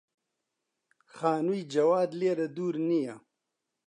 خانووی جەواد لێرە دوور نییە.